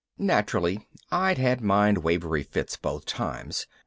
Naturally I'd had mind wavery fits both times.